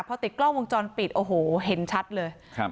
พอติดกล้องวงจรปิดโอ้โหเห็นชัดเลยครับ